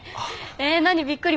え何びっくり。